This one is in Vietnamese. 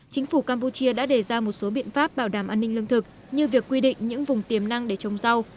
chính phủ campuchia đã đề ra một số biện pháp bảo đảm an ninh lương thực như việc quy định những vùng tiềm năng để trồng rau